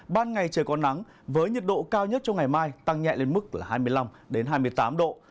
ban ngày trời có nắng với nhiệt độ cao nhất trong ngày mai tăng nhẹ lên mức hai mươi năm hai mươi tám độ